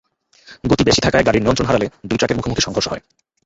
গতি বেশি থাকায় গাড়ির নিয়ন্ত্রণ হারালে দুই ট্রাকের মুখোমুখি সংঘর্ষ হয়।